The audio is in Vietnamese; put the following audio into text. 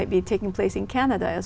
chơi cà phê trên đường